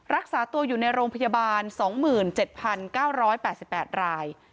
รักษาตัวอยู่ในโรงพยาบาล๒๗๙๘๘ราย